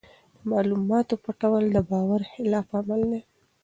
د معلوماتو پټول د باور خلاف عمل دی.